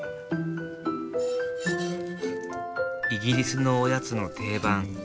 イギリスのおやつの定番ドロップス